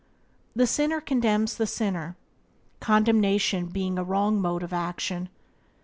The sinner condemns the sinner, condemnation being a wrong mode of action.